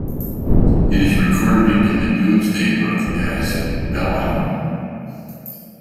It is recorded in the Domesday book as Beleham.